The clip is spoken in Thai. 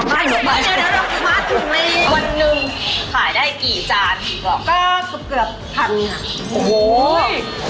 วันหนึ่งขายได้กี่จานอีกหรอกก็เกือบพันโอ้โห